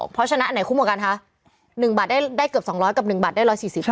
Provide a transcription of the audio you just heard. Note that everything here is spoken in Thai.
เพราะฉะนั้นอันไหนคุ้มกว่ากันคะ๑บาทได้เกือบ๒๐๐กับ๑บาทได้๑๔๐